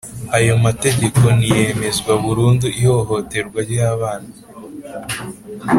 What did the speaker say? ayo mategeko niyemezwa burundu ihohoterwa ry’abana